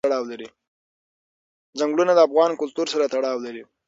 ځنګلونه د افغان کلتور سره تړاو لري.